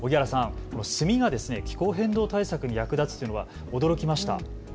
炭が気候変動対策に役立つというのは驚きました。